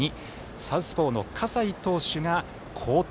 サウスポーの葛西投手が好投。